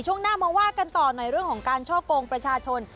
ช่วงหน้ามาว่ากันต่อหน่อยเรื่องของการช่อกงประชาชน